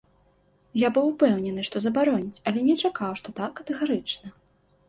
Я быў упэўнены, што забароняць, але не чакаў, што так катэгарычна.